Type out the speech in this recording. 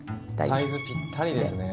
サイズぴったりですね。